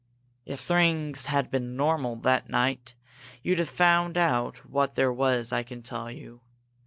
"If things had been normal that night, you'd have found out what there was, I can tell you!